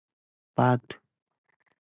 Bd.